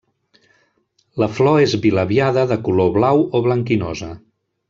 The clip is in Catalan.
La flor és bilabiada de color blau o blanquinosa.